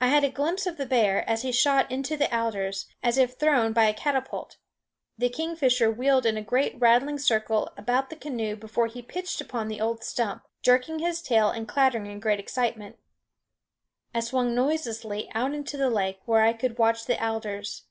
I had a glimpse of the bear as he shot into the alders, as if thrown by a catapult; the kingfisher wheeled in a great rattling circle about the canoe before he pitched upon the old stump, jerking his tail and clattering in great excitement. I swung noiselessly out into the lake, where I could watch the alders.